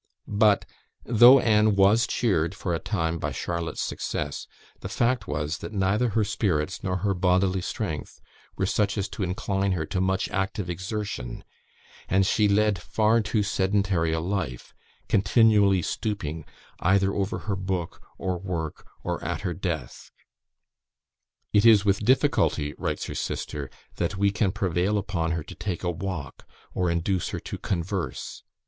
But, although Anne was cheered for a time by Charlotte's success, the fact was, that neither her spirits nor her bodily strength were such as to incline her to much active exertion, and she led far too sedentary a life, continually stooping either over her book, or work, or at her desk. "It is with difficulty," writes her sister, "that we can prevail upon her to take a walk, or induce her to converse.